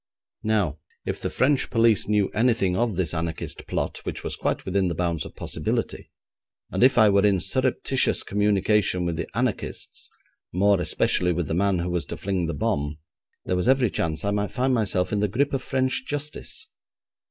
Now, if the French police knew anything of this anarchist plot, which was quite within the bounds of possibility, and if I were in surreptitious communication with the anarchists, more especially with the man who was to fling the bomb, there was every chance I might find myself in the grip of French justice.